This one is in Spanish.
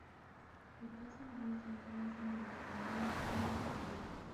El caso mejor estudiado es el de los canales rápidos de sodio.